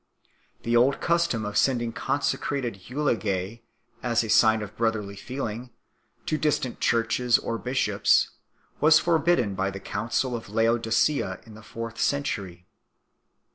The old custom of sending consecrated eulogise, as a sign of brotherly feel ing, to distant Churches or Bishops, was forbidden by the Council of Laodicea in the fourth century 6